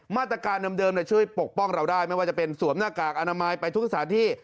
มาตรการเดิมช่วยปกป้องเราได้ไม่ว่าจะเป็นสวมหน้ากากอนามัยไปทุกสถานที่